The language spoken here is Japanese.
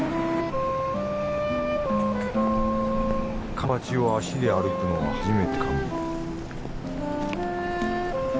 環八を足で歩くのは初めてかも